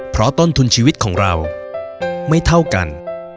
เพราะต้นทุนชีวิตของเราไม่เท่ากัน